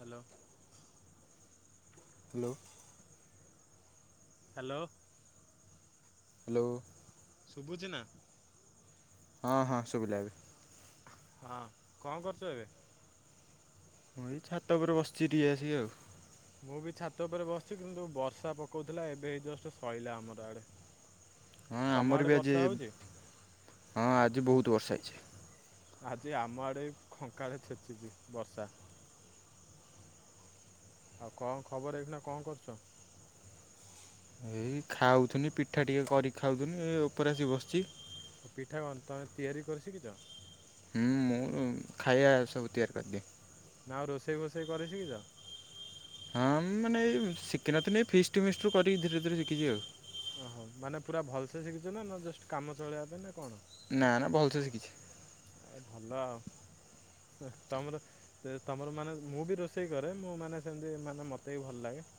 Hello. Hello. Hello. Hello. ଶୁଭୁଛି ନା? ହଁ ହଁ ଶୁବିଲା ବି। ହଁ କଣ କରୁଛ ଏବେ? ମୁଁ ଏଇ ଛାତ ଉପରେ ବସିଛି ଟିକେ ଆସିକି ଆଉ। ମୁଁ ବି ଛାତ ଉପରେ ବସିଛି କିନ୍ତୁ ବର୍ଷା ପକଉଥିଲା। ଏବେ ଜଷ୍ଟ ଶଇଲା ଆମର ଆଡେ। [inaudible] ହଁ ଆମର ବି ଆଜି ହଁ ଆଜି ବହୁତ ବର୍ଷା ହେଇଛି। ଆଜି ଆମ ଆଡ଼େ ଖଙ୍କାଳେ ଛେଚିଛି ବର୍ଷା। ଆଉ କଣ ଖବର ଏଖିଣା କଣ କରୁଚ? ଖାଉଥିନି ପିଠା ଟିକେ କରିକି ଖାଉଥିନ୍ତିି ଏ ଉପରେ ଆସି ବସିଛି। ପିଠା କଣ ତମେ ତିଆରି କରି ଶିକିିଛ? ହୁଁ ମୁଁ ଖାଇବା ସବୁ ତିଆରି କରିଦିଏ। ନା ଆଉ ରୋଷେଇ ଫୋଷେଇ କରି ଶିକିଛ? ହଁ ମାନେ ଏଇ ଶିଖିନଥିଲି ଏଇ ଫିଷ୍ଟ ଫିଷ୍ଟ ରୁ କରିକି ଧୀରେ ଧୀରେ ଶିଖିଛି ଆଉ। ଓହୋ ମାନେ ପୁରା ଭଲସେ ଶିଖିଛ ନା ଜଷ୍ଟ କାମ ଚଳେଇବା ପାଇଁ ନା କଣ? ନା ନା ଭଲ୍ ସେ ଶିଖିଚି। ଆଉ ଭଲ ଆଉ ତମର ସେ ତମର ମାନେ ମୁଁ ବି ରୋଷେଇ କରେ ମୁଁ ମାନେ ସେମିତି ମାନେ ମୋତେ ବି ଭଲ ଲାଗେ।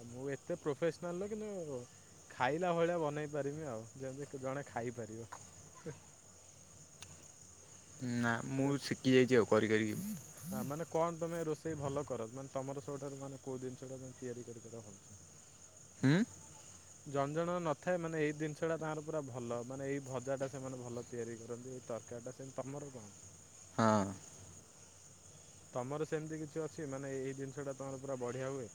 ଆଉ ମୁଁ ଏତେ ପ୍ରୋଫେସ୍‌ନାଲ୍ ନୁହେଁ କିନ୍ତୁ ଖାଇଲା ଭଳିଆ ବନେଇ ପାରମି ଆଉ ଯେମିତି ଜଣେ ଖାଇପାରିବ। ନା ମୁଁ ଶିଖି ଯାଇଛି ଆଉ କରି କରିକି। ହା ମାନେ କଣ ତମେ ରୋଷେଇ ଭଲ କର ମାନେ ତମର ସବୁଠାରୁ ମାନେ କୋଉ ଜିନିଷ ଟା ତିଆରି କରିପାର ଭଲସେ? [unintelligible] ହୁଁ। ଜଣ ଜଣଙ୍କ ନଥାଏ ମାନେ ଏଇ ଜିନିଷ ଟା ତାଙ୍କର ପୁରା ଭଲ ମାନେ ଏଇ ଭଜା ଟା ସେମାନେ ଭଲ। ତିଆରି କରନ୍ତି ଏଇ ତରକାରୀଟା ସେମିତି ତମର କଣ? ହଁ। ତମର ସେମିତି କିଛି ଅଛି ମାନେ ଏଇ ଜିନିଷଟା ତୁମର ପୁରା ବଢ଼ିଆ ହୁଏ।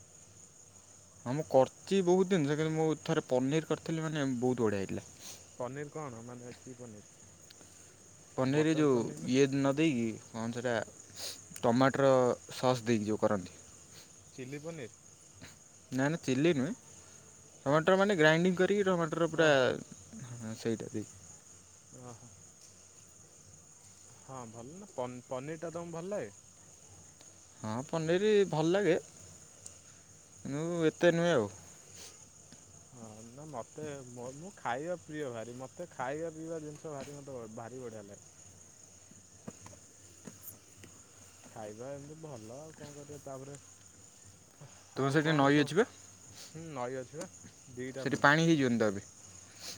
ହଁ ମୁଁ କରିଛି ବହୁତ ଜିନିଷ କିନ୍ତୁ ମୁଁ ଥରେ ପନିର୍ କରିଥିଲି ମାନ ବହୁତ ବଢିଆ ହେଇଥିଲା। ପନିର୍ କଣ ମାନେ କି ପନିର୍? ପନିର ଯୋଉ ଇଏ ନଦେଇକି କଣ ସେଟା ଟମାଟୋର ସସ୍ ଦେଇକି ଯୋଉ କରନ୍ତି। ଚିଲ୍ଲି ପନୀର୍। ନା ନା ଚିଲ୍ଲି ନୁହେଁ ଟମାଟର ମାନେ ଗ୍ରାଇଣ୍ଡିଙ୍ଗ କରିକି ଟମାଟର ପୁରା ଓହୋ ହଁ ସେଇଟା ବି। ଓହୋ। ହଁ ଭଲ ନା ପ ପନିର୍ ଟା ତମକୁ ଭଲ ଲାଗେ? ହଁ ପନିରି ଭଲ ଲାଗେ ମୁୁ ଏତେ ନୁହେଁ ଆଉ। ହଁ ନା ମୋତେ ମୁଁ ଖାଇବା ପ୍ରିୟ ଭାରି ମୋତେ ଖାଇବା ପିଇବା ଜିନିଷ ଭାରି ମୋତେ ଭାରି ବଢ଼ିଆ ଲାଗେ। ଖାଇବା ଏମିତି ଭଲ ଆଉ କଣ କରିବା ତାପରେ ତୁମ ଆଉ ସେଇଠି କଣ ନଈ ଅଛି ବା ସବୁ? ହୁଁ ନଈ ଅଛି ବା। ଦିଟା ସେଇଠି ପୁଣି ପାଣି ହେଇଯିବନ୍ତ ଏବେ।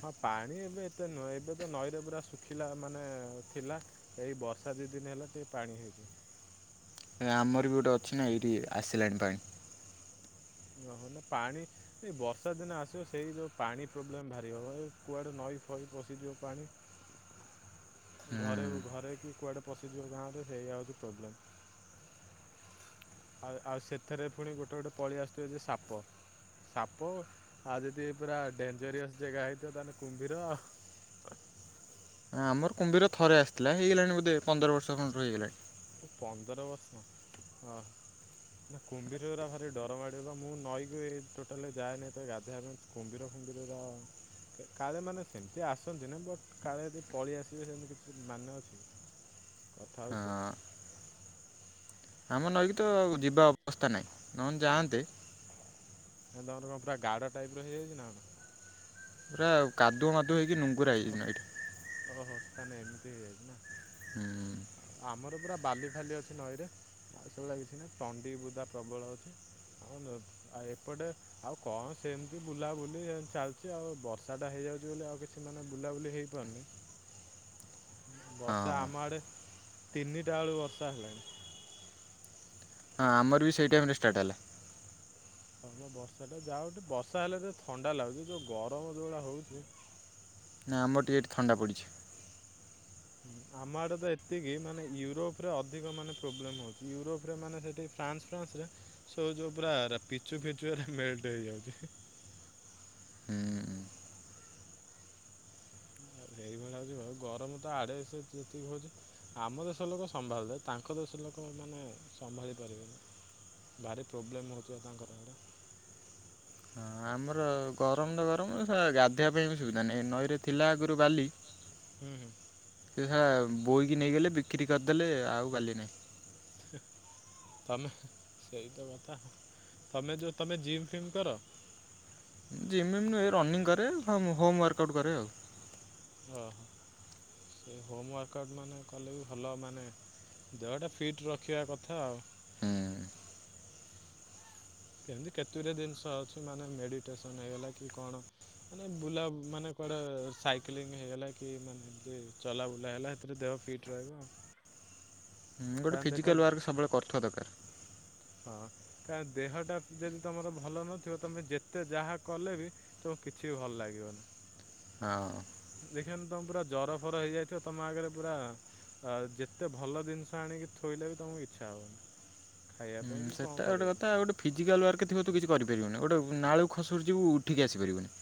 ହଁ ପାଣି ଏବେ ଏତେ ନୁହଁ ଏବେ ତ ନଈରେ ପୁରା ଶୁଖିଲା ମାନେ ଥିଲା। ଏଇ ବର୍ଷା ଦି ଦିନ ହେଲା ଟିକେ ପାଣି ହେଇଛି। ଆମର ବି ଗୋଟେ ଅଛି ନା ଏଇଠି ଆସିଲାଣି ପାଣି। ଓହୋ ନା ପାଣି ଏଇ ବର୍ଷା ଦିନ ଆସିବ ସେଇ ଯୋଉ ପାଣି ପ୍ରୋବ୍ଲେମ ଭାରି ହବ ଏ କୁଆଡେ ନଈ ଫଇ ପଶିଯିବ ପାଣି। [unintelligible] ହୁଁ ଘରେ ଘରେ କି କୁଆଡେ ପଶିଯିବ ଗାଁ ରେ ସେଇଆ ହଉଛି ପ୍ରୋବ୍ଲେମ୍। ଆଉ ଆଉ ସେଥିରେ ପୁଣି ଗୋଟେ ଗୋଟେ ପଳେଇ ଆସୁଥିବ ଯେ ସାପ। ସାପ ଆଉ ଯଦି ପୁରା ଡେଞ୍ଜରିଅସ୍ ଜାଗା ହେଇଥିବ ତାହେଲେ କୁମ୍ଭୀର। ହଁ ଆମର କୁମ୍ଭୀ ଥରେ ଆସିଥିଲା ହେଇଗଲାଣି ବୋଧେ ପନ୍ଦର ବର୍ଷ ର ହେଇଗଲାଣି। ମୁ ପନ୍ଦର ବର୍ଷ ହଁ। ନା କୁମ୍ଭୀର ପା ଭାରି ଡର ମାଡ଼ିବ ମୁଁ ନଈକି ଏ ଟୋଟାଲି ଯାଏନି ଗାଧୋଇବା ପାଇଁ। କୁମ୍ଭୀର କୁମ୍ଭୀରର କାଳେ ମାନେ ସେମିତି ଆସନ୍ତିନି ବଟ୍ କାଳେ ଯଦି ପଳେଇ ଆସିବେ ସେମିତି କିଛି ମାନେ ଅଛି କି? କଥା ହଁ ହଉଚି ସେଇଭଳିଆ। ଆମ ନଈକି ତ ଯିବା ଅବସ୍ଥା ନାହିଁ ନହେଲେ ଯାଆନ୍ତେ। ତମର କଣ ପୁରା ଗାଡ ଟାଇପ ର ହେଇଯଛି ନା? ପୁରା କାଦୁଅ ମାଆଦୁ ହେଇକି ନୁ ଓହୋ ଓହୋ ତାନେ ଏମିତି ହେଇଯାଇଛି ନା? ହୁଁ। ଆଉ ଆମର ପୁରା ବାଲି ଫାଲି ଅଛି ନଈରେ ଆଉ ସେଗୁଳିଆ କିଛି ନାହିଁ ତଣ୍ଡି ବୁଦା ପ୍ରବଳ ଅଛି। ଓ ଲୋ ଆଉ ଏପଟେ ଆଉ କଣ ସେମିତି ବୁଲାବୁଲି ଚାଲିଛି ଆଉ ବର୍ଷାଟା ହେଇଯାଉଛି ବୋଲି ଆଉ କିଛି ସେମାନେ ବୁଲାବୁଲି ହେଇପାରୁନି। ହଁ ବର୍ଷା ଆମ ଆଡେ ତିନିଟା ବେଳୁ ବର୍ଷା ହେଲାଣି। ହଁ ଆମର ବି ସେଇ ଟାଇମ ରେ ଷ୍ଟାର୍ଟ ହେଲା। ହଁମ ବର୍ଷା ଟା ଯାଉଠି ବର୍ଷା ହେଲେ ଯେ ଥଣ୍ଡା ଲାଗୁଛି ଯୋଉ ଗରମ ଯୋଉଭଳିଆ ହଉଛି। ନାହି ଆମର ଟିକେ ଏଠି ଥଣ୍ଡା ପଡ଼ିଛି। ହୁଁ ଆମ ଆଡେ ତ ଏତିକି ମାନେ ୟୁରୋପ ରେ ଅଧିକ ମାନେ ପ୍ରୋବ୍ଲେମ ହଉଛି ୟୁରୋପ ରେ ମାନେ ସେଠି ଫ୍ରାନ୍ସ ଫ୍ରାନ୍ସରେ ସବୁ ଯେଉଁ ପୁରା ପିଚୁ ଫିଚୁରେ ମେଲଟ ହେଇଯାଉଛି। ହୁଁ। ଉ ସେଇଭଳିଆ ହଉଛି ଭଉ ଗରମ ତ ଆଡେ ସେ ଯେତିକି ହଉଛି। ଆମ ଦେଶ ଲୋକ ସମ୍ଭାଳି ଦେବେ ତାଙ୍କ ଦେଶ ଲୋକ ମାନେ ସମ୍ଭାଳି ପାରିବେନି। ଭାରି ପ୍ରୋବ୍ଲେମ୍ ହେଉଥିବ ତାଙ୍କର [unintelligible] ହଁ ଆମର ଗରମଟା ଗରମ ଗାଧୋଇବା ପାଇଁ ବି ସୁବିଧା ନାହିଁ ନଈରେ ଥିଲା ଆଗରୁ ବାଲି। ହୁଁ ହୁଁ। ସେ ସା ବୋଇକି ନେଇଗଲେ ବିକ୍ରି କରିଦେଲେ ଆଉ ଵାଲି ନାହିଁ। [unintelligible] ତମେ ସେଇତ କଥା ହ ତମେ ଯୋଉ ତମେ ଜିମ୍ ଫିମ୍ କର? ଜିମ୍ ବିମ୍ ନୁହେଁ ରନିଙ୍ଗ କରେ ହୋମ୍ ୱାର୍କ ଆଉଟ୍ କରେ ଆଉ। ଓହୋ ସେ ହୋମୱାର୍କ ଆଉଟ୍ ମାନେ କଲେ ବି ଭଲ ମାନେ ଦେହଟା ଫିଟ୍ ରଖିବା କଥା ଆଉ। ହୁଁ। ସେମିତି କେତୁରେ ଜିନିଷ ଅଛି ମାନେ ମେଡିଟେସନ ହେଇଗଲା କି କଣ ମାନେ ବୁଲା ମାନେ କୁଆଡେ ସାଇକେଲିଙ୍ଗ ହେଇଗଲା କି ମାନେ ଏତି ଚଲା ବୁଲା ହେଲା। ଏରେ ଦେହ ଫିଟ୍ ରହିବ ଆଉ। ଗୋଟେ ଫିଜିକାଲ୍ ୱାର୍କ ସବୁବେଳେ କରୁଥିବା ଦରକାର। ହଁ କାର ଦେହଟା ଯଦି ତମର ଭଲ ନଥିବ ତମେ ଯେତେ ଯାହା କଲେ ବି ତ କିଛି ବି ଭଲ ଲାଗିବନି। ହଁ। ଦେଖନ ତମ୍ ପୁରା ଜର ଫର ହେଇଯାଇଥିବ ତମ ଆଗରେ ପୁରା-ଆ-ଆ ଆଉ ଯେତେ ଭଲ ଜିନିଷ ଆଣିକି ଥୋଇଲେ ବି ତମକୁ ଇଚ୍ଛା ହବନି ଖାଇବା ପାଇଁ କି। କଣ ସେଇଟା ଗୋଟେ କରିବା ପାଇଁ। କଥା ଗୋଟେ ଫିଜିକାଲ୍ ୱାର୍କ ଥିବ ତୁ କିଛି କରିପାରିବୁନୁ ଗୋଟେ ନାଳୁ ଖସୁଡ ଯିବୁ ଉଠିକି ଆସିପାରିବୁନୁ।